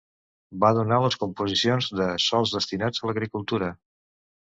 Va donar les composicions de sòls destinats a l'agricultura.